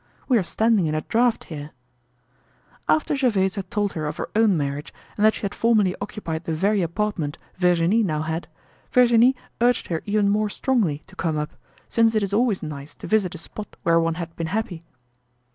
We are standing in a draught here." After Gervaise had told of her own marriage and that she had formerly occupied the very apartment Virginie now had, Virginie urged her even more strongly to come up since it is always nice to visit a spot where one had been happy.